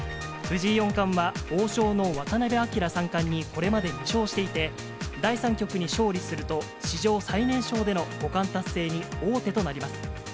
藤井四冠は、王将の渡辺明三冠にこれまで２勝していて、第３局に勝利すると、史上最年少での五冠達成に王手となります。